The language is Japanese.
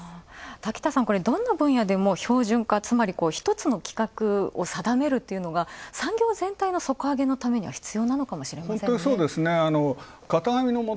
滝田さん、これどんな分野でも標準化、つまり、１つの企画を定めるっていうのが、産業全体の底上げのためにも必要。